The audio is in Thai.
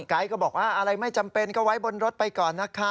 ก็บอกว่าอะไรไม่จำเป็นก็ไว้บนรถไปก่อนนะคะ